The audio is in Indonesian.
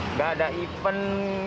nggak ada event